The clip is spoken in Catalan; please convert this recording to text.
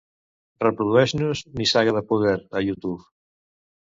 Reprodueix-nos "Nissaga de poder" a YouTube.